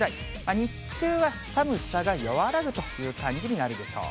日中は寒さが和らぐという感じになるでしょう。